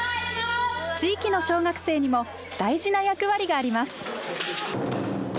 地域の小学生にも大事な役割があります。